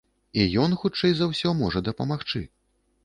І ён, хутчэй за ўсё, можа дапамагчы.